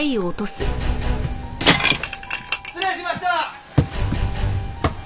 失礼しました！